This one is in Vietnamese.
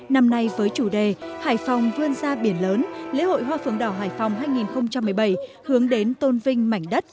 năm nay với chủ đề hải phòng vươn ra biển lớn lễ hội hoa phượng đỏ hải phòng hai nghìn một mươi bảy hướng đến tôn vinh mảnh đất